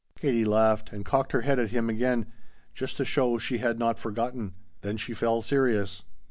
Katie laughed and cocked her head at him again, just to show she had not forgotten. Then she fell serious.